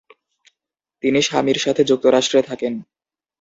তিনি স্বামীর সাথে যুক্তরাষ্ট্রে থাকেন।